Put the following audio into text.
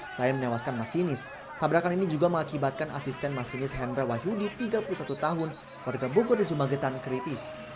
selain menewaskan masinis tabrakan ini juga mengakibatkan asisten masinis hendra wahyudi tiga puluh satu tahun warga bogor dan jemagetan kritis